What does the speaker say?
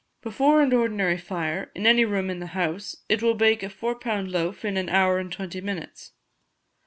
Before an ordinary fire, in any room in the house, it will bake a four pound loaf in an hour and twenty minutes.